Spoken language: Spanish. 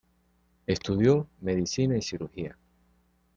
Estudió medicina y cirugía.